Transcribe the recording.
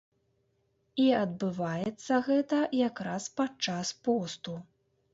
І адбываецца гэта якраз падчас посту.